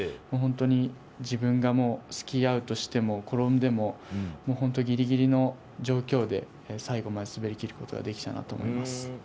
本当に自分がスキーアウトしても転んでも、ギリギリの状況で最後まで滑りきることができたなと思います。